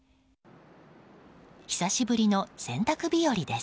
久しぶりの洗濯日和です。